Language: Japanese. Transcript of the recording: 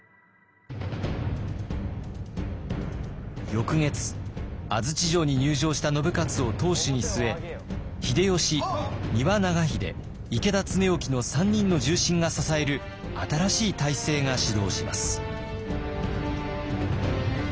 翌月安土城に入城した信雄を当主に据え秀吉丹羽長秀池田恒興の３人の重臣が支える新しい体制が始動します。